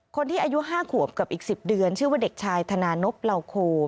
คนที่อายุ๕ขวบกับอีก๑๐เดือนชื่อว่าเด็กชายธนานพเหล่าโค